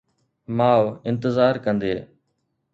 ماءُ انتظار ڪندي